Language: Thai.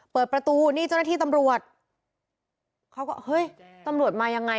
เปิดประตูนี่เจ้าหน้าที่ตำรวจเขาก็เฮ้ยตำรวจมายังไง